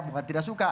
bukan tidak suka